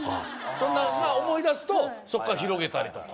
そんなのが思い出すとそこから広げたりとか